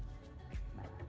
dikonsumsi dengan ibu ketua umum